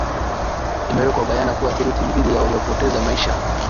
imeweka bayana kuwa theluthi mbili ya waliopoteza maisha